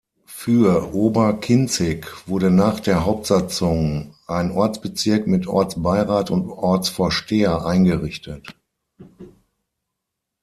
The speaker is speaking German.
Für Ober-Kinzig wurde nach der Hauptsatzung ein Ortsbezirk mit Ortsbeirat und Ortsvorsteher eingerichtet.